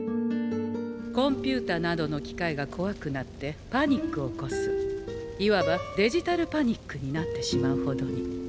コンピューターなどの機械が怖くなってパニックを起こすいわばデジタルパニックになってしまうほどに。